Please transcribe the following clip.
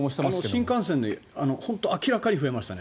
新幹線で明らかに増えました。